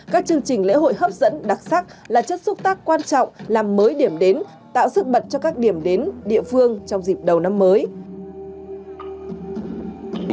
các chương trình lễ hội hấp dẫn đặc sắc là chất xúc tác quan trọng làm mới điểm đến tạo sức bật cho các điểm đến địa phương trong dịp đầu năm mới